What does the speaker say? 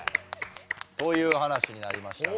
という話になりましたが。